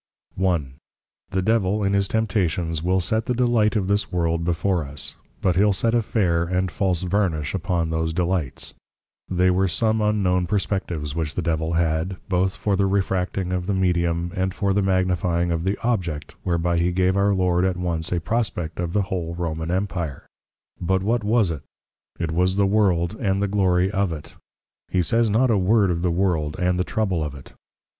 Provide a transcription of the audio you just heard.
I. The Devil in his Temptations will set the Delight of this world before us; but he'll set a fair, and a false Varnish upon those Delights. They were some unknown Perspectives, which the Devil had, both for the Refracting of the Medium, and for the Magnifying of the Object, whereby he gave our Lord at once a prospect of the whole Roman Empire; but what was it? It was the World, and the Glory of it; he says not a word of the World, and the Trouble of it.